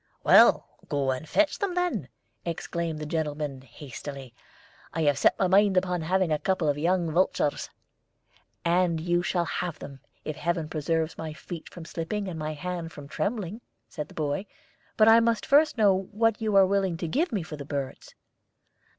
"Well, go and fetch them, then," exclaimed the gentleman, hastily. "I have set my mind upon having a couple of young vultures." "And you shall have them, if Heaven preserves my feet from slipping and my hand from trembling," said the boy. "But I must first know what you are willing to give me for the birds."